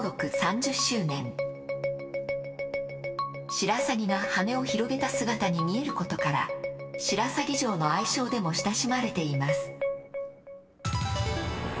シラサギが羽を広げた姿に見えることから白鷺城の愛称でも親しまれています。